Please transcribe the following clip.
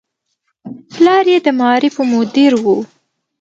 پلار یې د معارفو مدیر و.